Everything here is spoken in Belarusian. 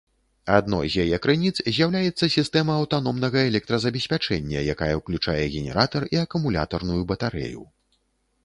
Адной з яе крыніц з'яўляецца сістэма аўтаномнага электразабеспячэння, якая ўключае генератар і акумулятарную батарэю.